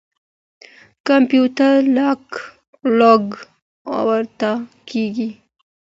کمپيوټر لاګ آوټ کېږي.